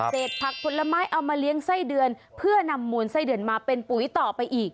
ผักผลไม้เอามาเลี้ยงไส้เดือนเพื่อนำมูลไส้เดือนมาเป็นปุ๋ยต่อไปอีก